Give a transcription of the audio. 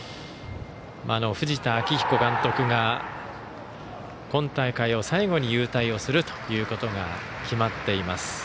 藤田明彦監督が今大会を最後に勇退をすることが決まっています。